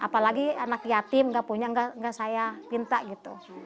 apalagi anak yatim enggak punya enggak saya pinta gitu